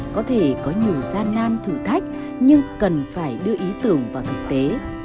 có thể có nhiều gian nan thử thách nhưng cần phải đưa ý tưởng vào thực tế